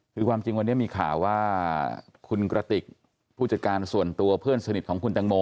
คือความจริงวันนี้มีข่าวว่าคุณกระติกผู้จัดการส่วนตัวเพื่อนสนิทของคุณตังโม